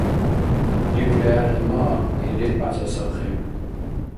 — Дигули гӀергъи ма, — или, пяцӀасахъиб.